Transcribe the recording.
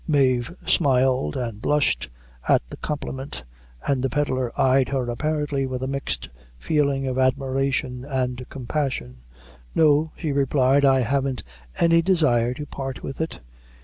Mave smiled and blushed at the compliment, and the pedlar eyed her apparently with a mixed feeling of admiration and compassion. "No," she replied, "I haven't any desire to part with it."